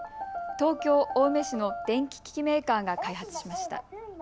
東京青梅市の電気機器メーカーが開発しました。